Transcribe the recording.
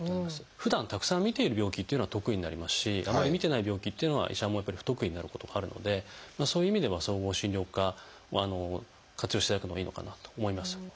ふだんたくさん診ている病気というのは得意になりますしあまり診てない病気というのは医者も不得意になることがあるのでそういう意味では総合診療科を活用していただくのがいいのかなと思います。